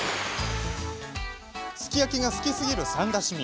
すき焼きが好きすぎる三田市民。